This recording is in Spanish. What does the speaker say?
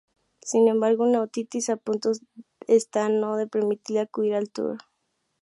Sin embargo, una otitis a punto está de no permitirle acudir al Tour.